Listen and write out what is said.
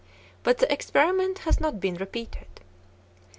But the experiment has not been repeated.